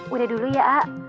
udah dulu ya ak